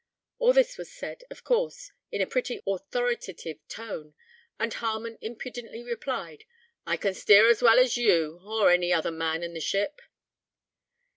All this was said, of course, in a pretty authoritative tone, and Harmon impudently replied, "I can steer as well as you, or any other man in the ship."